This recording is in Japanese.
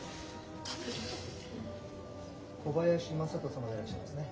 小林雅人様でいらっしゃいますね。